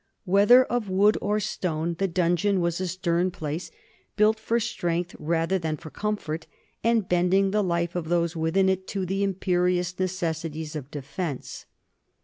Whether of wood or stone, the donjon was a stern place, built for strength rather than for comfort, and bending the life of those within it to the imperious necessities of defence.